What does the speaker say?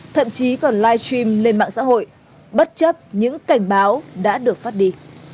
thậm chí còn live stream lên mạng xã hội bất chấp những cảnh báo đã được phát đi